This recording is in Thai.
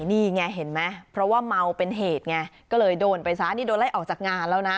นี่ไงเห็นไหมเพราะว่าเมาเป็นเหตุไงก็เลยโดนไปซะนี่โดนไล่ออกจากงานแล้วนะ